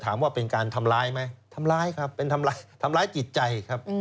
ถามว่าเป็นการทำร้ายไหมทำร้ายครับเป็นทำร้ายทำร้ายจิตใจครับ